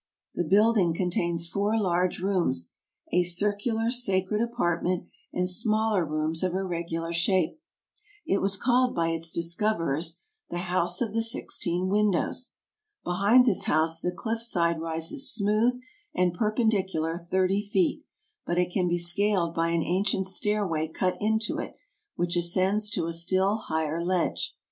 The building contains four large rooms, a circular sacred apartment and smaller rooms of irregular shape. It was called by its discoverers "The House of the Sixteen Windows." Behind this house the cliff side rises smooth and perpendicular thirty feet, but it can be scaled by an ancient stairway cut into it which ascends to a still higher ledge.